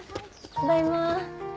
ただいま。